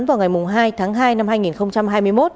vào ngày hai tháng hai năm hai nghìn hai mươi một